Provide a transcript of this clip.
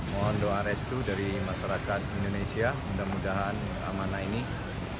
mohon doa restu dari masyarakat indonesia mudah mudahan amanah ini